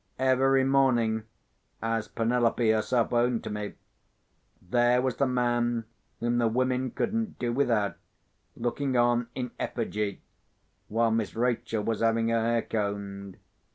Every morning—as Penelope herself owned to me—there was the man whom the women couldn't do without, looking on, in effigy, while Miss Rachel was having her hair combed.